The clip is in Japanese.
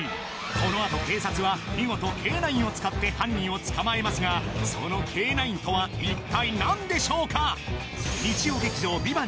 このあと警察は見事Ｋ−９を使って犯人を捕まえますがそのＫ−９とは一体何でしょうか？